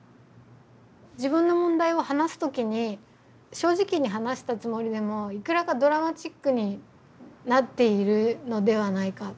自分の問題を話す時に正直に話したつもりでもいくらかドラマチックになっているのではないか。